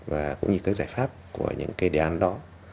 và cũng như cái giải pháp của những cái đề án đó